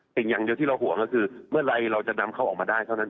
สิ่งอย่างเดียวที่เราห่วงก็คือเมื่อไหร่เราจะนำเขาออกมาได้เท่านั้น